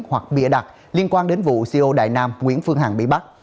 hoặc bịa đặt liên quan đến vụ co đại nam nguyễn phương hằng bị bắt